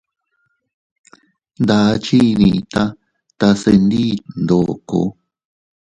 Ndakchi iiyita tase ndiit ndoko.